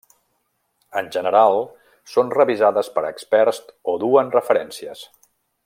En general són revisades per experts o duen referències.